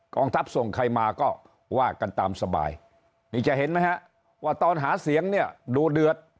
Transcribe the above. ทัพส่งใครมาก็ว่ากันตามสบายนี่จะเห็นไหมฮะว่าตอนหาเสียงเนี่ยดูเดือด